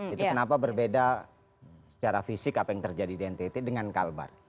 itu kenapa berbeda secara fisik apa yang terjadi di ntt dengan kalbar